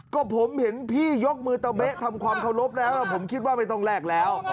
ก็ผมเห็นพี่ยกมือตะเบ๊ะทำความเคารพแล้วผมคิดว่าไม่ต้องแลกแล้ว